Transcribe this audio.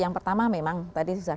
yang pertama memang tadi sudah